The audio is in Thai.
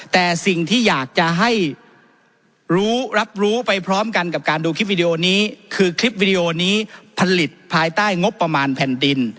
แต่สิ่งที่อยากจะให้รู้รับรู้ไปพร้อมกันกับการดูคลิปวิดีโอนี้คือคลิปวิดีโอนี้ผลิตภายใต้งบประมาณแผ่นดิน